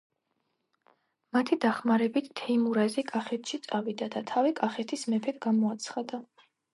მათი დახმარებით თეიმურაზი კახეთში წავიდა და თავი კახეთის მეფედ გამოაცხადა.